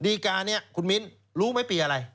ดีการนี้คุณมิ้นรู้ไหมปีอะไร